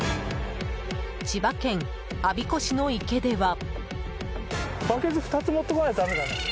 千葉県我孫子市の池では。